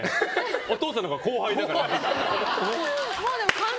お父さんのほうが後輩だから。